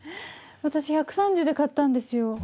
私１３０で買ったんですよ。